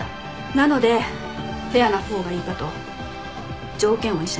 なのでフェアなほうがいいかと条件を一緒にしたんだけど。